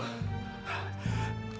pasti sekarang dia di terminal nek